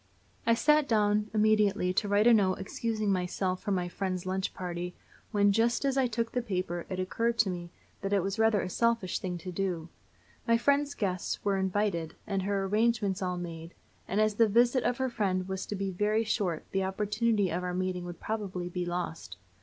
I sat down immediately to write a note excusing myself from my friend's lunch party, when, just as I took the paper, it occurred to me that it was rather a selfish thing to do. My friend's guests were invited, and her arrangements all made; and as the visit of her friend was to be very short the opportunity of our meeting would probably be lost.